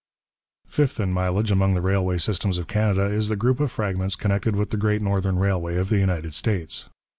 Fifth in mileage among the railway systems of Canada is the group of fragments connected with the Great Northern Railway of the United States.